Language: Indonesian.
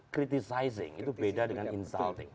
criticizing itu beda dengan insulting